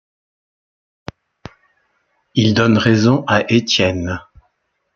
Il donne raison à Étienne.